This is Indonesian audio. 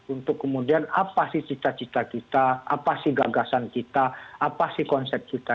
untuk kemudian apa sih cita cita kita apa sih gagasan kita apa sih konsep kita